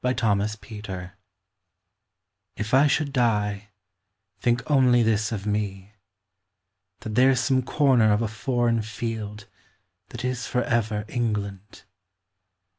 V. The Soldier If I should die, think only this of me: That there's some corner of a foreign field That is for ever England.